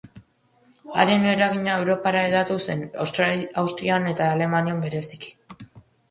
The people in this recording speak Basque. Haren eragina Europara hedatu zen, Austrian eta Alemanian, bereziki.